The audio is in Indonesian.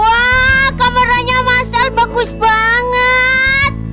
wah kameranya mas al bagus banget